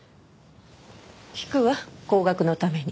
聞くわ後学のために。